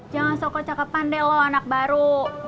jangan sokot cakap pandai lo anak baru